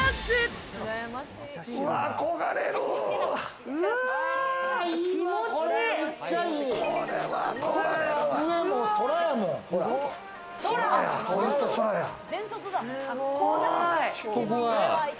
気持ち良い。